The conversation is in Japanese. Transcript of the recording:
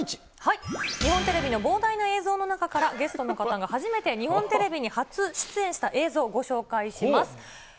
日本テレビの膨大な映像の中からゲストの方が初めて日本テレビに初出演した映像、ご紹介します。